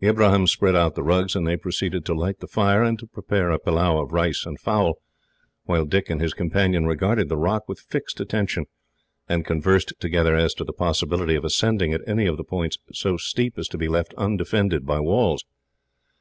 Ibrahim spread out the rugs, and then proceeded to light the fire, and to prepare a pillau of rice and fowl, while Dick and his companion regarded the rock with fixed attention, and conversed together as to the possibility of ascending at any of the points so steep as to be left undefended by walls.